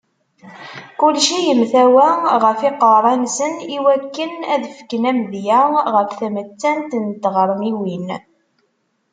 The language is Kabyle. Kulci yemtawa ɣef yiqerra-nsen iwakken ad fken amedya ɣef tmettant n tɣermiwin.